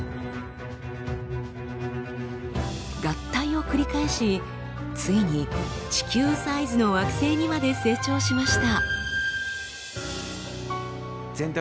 合体を繰り返しついに地球サイズの惑星にまで成長しました。